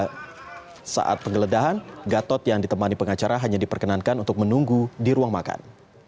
pada saat penggeledahan gatot yang ditemani pengacara hanya diperkenankan untuk menunggu di ruang makan